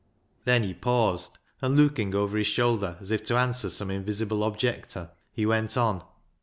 Then he paused, and looking over his shoulder as if to answer some invisible objector, he went on.